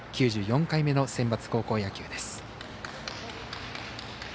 ９４回目のセンバツ高校野球です。